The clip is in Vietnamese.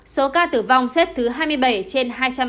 số ca tử vong xếp thứ hai mươi bảy trên hai trăm ba mươi